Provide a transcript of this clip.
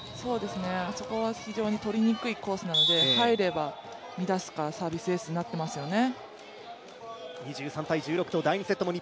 あそこは非常に取りにくいコースなので入れば乱すか、サービスエースになっていますよね。